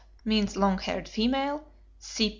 means long haired female; C.